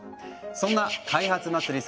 そんな開発祭り